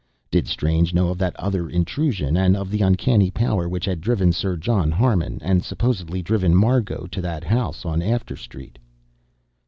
Did Strange know of that other intrusion, and of the uncanny power which had driven Sir John Harmon, and supposedly driven Margot to that house on After Street?